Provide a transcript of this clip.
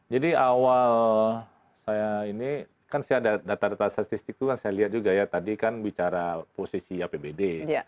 jadi awal saya ini kan saya ada data data statistik itu kan saya lihat juga ya tadi kan bicara posisi apbd